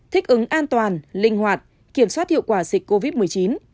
thích ứng an toàn linh hoạt kiểm soát hiệu quả dịch covid một mươi chín